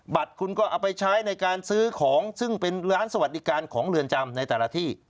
บัตรคุณก็เอาไปใช้ในการซื้อของซึ่งเป็นร้านสวัสดิการของเรือนจำในแต่ละที่